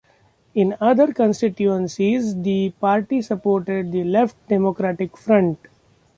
In other constituencies the party supported the Left Democratic Front.